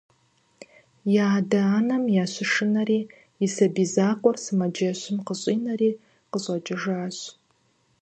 И адэ-анэм ящышынэри и сабий закъуэр сымаджэщым къыщӏинэри къыщӏэкӏыжащ.